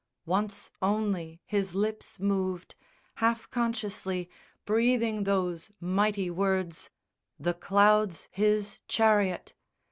Once only his lips moved Half consciously, breathing those mighty words, The clouds His chariot!